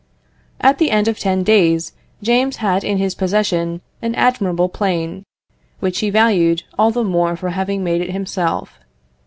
At the end of ten days, James had in his possession an admirable plane, which he valued all the more for having made it himself.